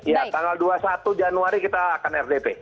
ya tanggal dua puluh satu januari kita akan rdp